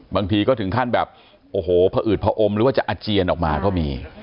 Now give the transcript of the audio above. บางทีก็ถึงขั้นแบบโอ้โหพออืดผอมหรือว่าจะอาเจียนออกมาก็มี